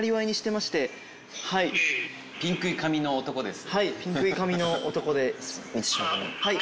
はいピンクい髪の男です。